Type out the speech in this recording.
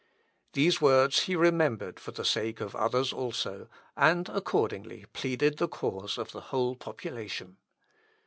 Those words he remembered for the sake of others also, and accordingly pleaded the cause of the whole population.